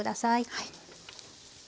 はい。